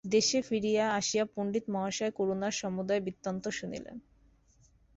দেশে ফিরিয়া আসিয়া পণ্ডিতমহাশয় করুণার সমুদয় বৃত্তান্ত শুনিলেন।